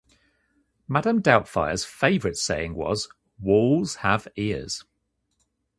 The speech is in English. Madame Doubtfire's favourite saying was "walls have ears".